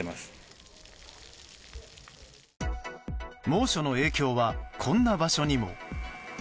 猛暑の影響はこんな場所にも。